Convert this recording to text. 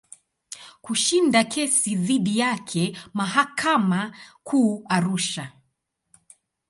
Kushinda kesi dhidi yake mahakama Kuu Arusha.